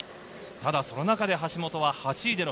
ただこの中で橋本は８位。